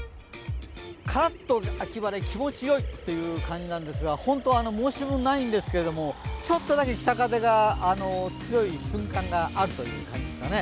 カラッと秋晴れ、気持ちよいという感じなんですが、ホント申し分ないんですが、ちょっとだけ北風が強い瞬間があるという感じですかね。